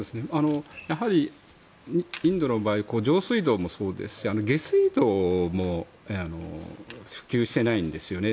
やはりインドの場合は上水道もそうですし下水道も普及していないんですよね。